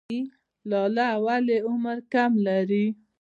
لاله ولې عمر کم لري؟